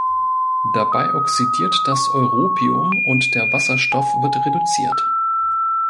Dabei oxidiert das Europium und der Wasserstoff wird reduziert.